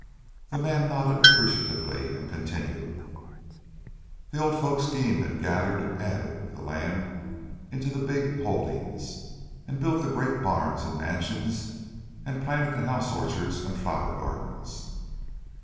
The man nodded appreciatively and continued. "The old folks schemed and gathered and added the land into the big holdings, and built the great barns and mansions, and planted the house orchards and flower gardens.